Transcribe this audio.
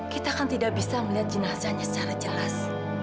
kita kan tidak bisa melihat jenazahnya secara jelas